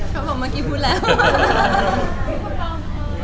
ครับผมเมื่อกี้พูดแล้ว